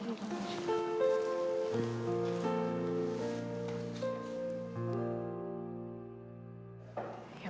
yang sabar ya bu